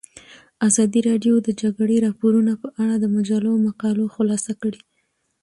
ازادي راډیو د د جګړې راپورونه په اړه د مجلو مقالو خلاصه کړې.